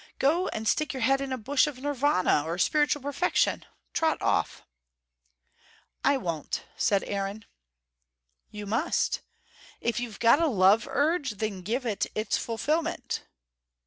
Go and stick your head in a bush of Nirvana or spiritual perfection. Trot off." "I won't," said Aaron. "You must. If you've got a love urge, then give it its fulfilment."